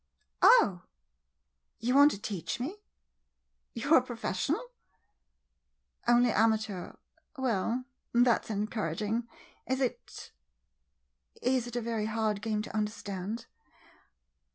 ] Oh, you want to teach me ! You 're a pro fessional ? Only amateur — well — that 's en couraging. Is it — is it a very hard game to understand?